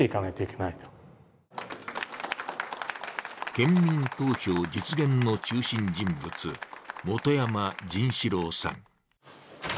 県民投票実現の中心人物、元山仁士郎さん。